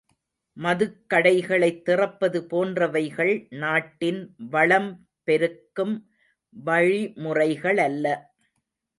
மதுக்கடைகளைத் திறப்பது போன்றவைகள் நாட்டின் வளம் பெருக்கும் வழிமுறைகளல்ல.